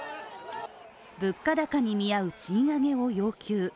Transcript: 物価高に見合う賃上げを要求。